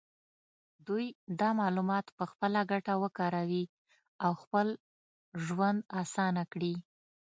دوی دا معلومات په خپله ګټه وکاروي او خپل ژوند اسانه کړي.